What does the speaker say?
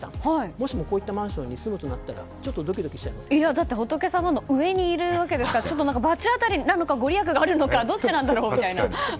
もしも、こういったマンションに住むとなったらだって、仏様の上にいるわけですから罰当たりなのかご利益があるのかどっちなんだろうみたいな。